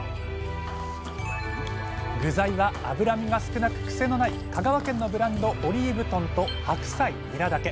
具材は脂身が少なく癖のない香川県のブランドオリーブ豚と白菜ニラだけ。